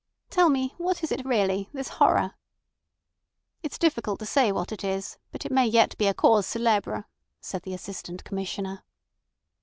"Tell me, what is it really—this horror?" "It's difficult to say what it is, but it may yet be a cause célèbre," said the Assistant Commissioner.